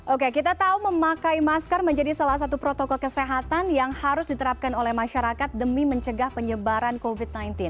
oke kita tahu memakai masker menjadi salah satu protokol kesehatan yang harus diterapkan oleh masyarakat demi mencegah penyebaran covid sembilan belas